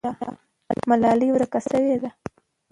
ملالۍ ورکه سوې ده.